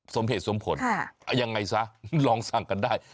สมเหตุสมผลยังไงซะลองสั่งกันได้